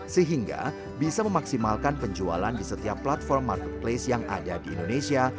sehingga bisa memaksimalkan penjualan di setiap platform marketplace yang ada di indonesia